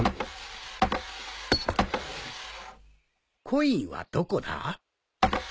コインはどこだ？